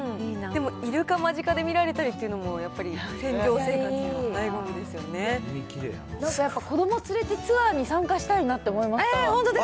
でもイルカ間近で見られたりっていうのも、やっぱり船上生活なんかやっぱり、子ども連れてツアーに参加したいなって思いました。